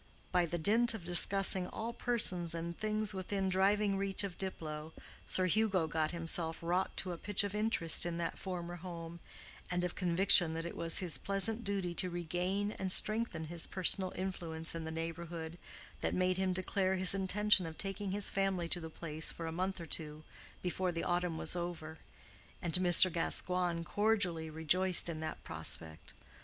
By the dint of discussing all persons and things within driving reach of Diplow, Sir Hugo got himself wrought to a pitch of interest in that former home, and of conviction that it was his pleasant duty to regain and strengthen his personal influence in the neighborhood, that made him declare his intention of taking his family to the place for a month or two before the autumn was over; and Mr. Gascoigne cordially rejoiced in that prospect.